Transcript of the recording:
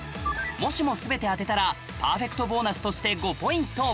もしも全て当てたらパーフェクトボーナスとして５ポイント